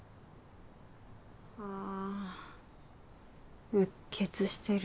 ああ鬱血してる。